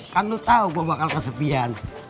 kan lu tahu gue bakal kesepian